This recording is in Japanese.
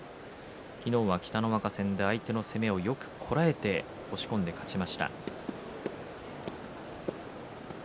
昨日は北の若戦で相手の攻めをよくこらえて押し込んで勝ちました。